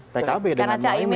pkb dengan mbak iminis